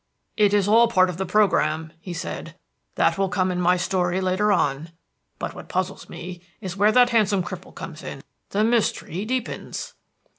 "It is all part of the programme," he said. "That will come in my story later on. But what puzzles me is where that handsome cripple comes in. The mystery deepens."